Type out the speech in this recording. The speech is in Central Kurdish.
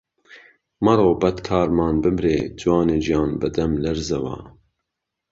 مهرۆ بهدکارمان بمرێ، جوانێ گیان به دهملهرزهوه